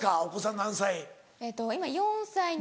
お子さん何歳？